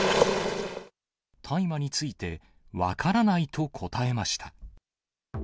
大麻について、分からないと答えました。